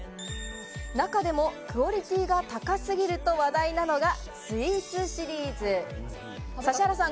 中でもクオリティーが高すぎると話題なのが、Ｓｗｅｅｔ’ｓシリーズ。